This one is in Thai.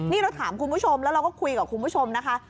นี่เราถามคุณผู้ชมแล้วเราก็คุยกับคุณผู้ชมนะคะ